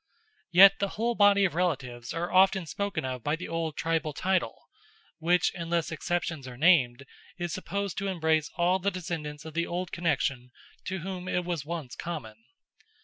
Yet, the whole body of relatives are often spoken of by the old tribal title, which, unless exceptions are named, is supposed to embrace all the descendants of the old connection to whom it was once common.